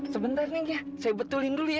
sebentar nih ya saya betulin dulu ya